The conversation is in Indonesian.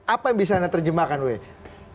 apa yang bisa anda terjemahkan we